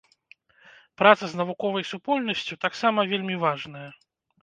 Праца з навуковай супольнасцю таксама вельмі важная.